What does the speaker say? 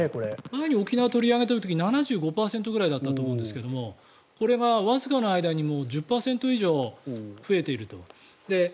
前に沖縄を取り上げた時に７５％ぐらいだったと思うんですがこれがわずかな間に１０％以上増えていると。